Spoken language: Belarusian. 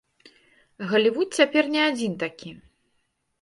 Галівуд цяпер не адзін такі.